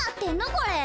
これ。